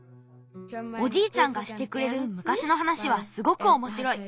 おじいちゃんがしてくれるむかしのはなしはすごくおもしろい。